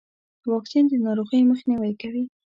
واکسین د ناروغیو مخنیوی کوي.